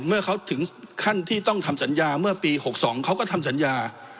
เมื่อเขาถึงขั้นที่ต้องทำสัญญาเมื่อปี๖๒เขาก็ทำสัญญา